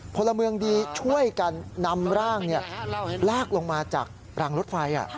พลเมืองดีช่วยกันนำร่างลากลงมาจากรางรถไฟ